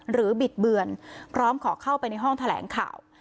บิดเบือนพร้อมขอเข้าไปในห้องแถลงข่าว